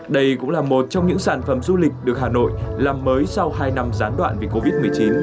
đây cũng là một trong những sản phẩm du lịch được hà nội làm mới sau hai năm gián đoạn vì covid một mươi chín